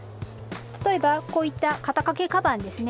例えばこういった肩掛けカバンですね。